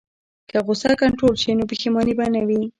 که غوسه کنټرول شي، نو پښیماني به نه وي.